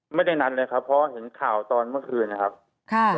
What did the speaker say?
ไม่ได้นัดเลยครับเพราะเห็นข่าวตอนเมื่อคืนนะครับค่ะ